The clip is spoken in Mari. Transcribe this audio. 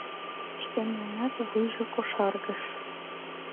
Шкенжынат вуйжо кошаргыш.